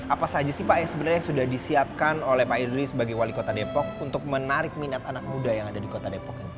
apa saja sih pak yang sebenarnya sudah disiapkan oleh pak idri sebagai wali kota depok untuk menarik minat anak muda yang ada di kota depok ini